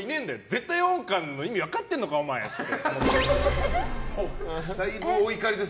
絶対音感の意味分かってんのかよって。